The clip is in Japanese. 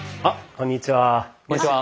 こんにちは。